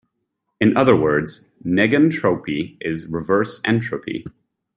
In other words, negentropy is reverse entropy.